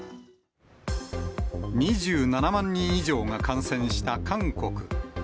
２７万人以上が感染した韓国。